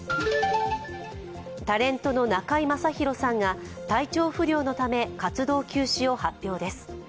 タレントの中居正広さんが体調不良のため、活動休止を発表です。